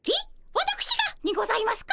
わたくしがにございますか？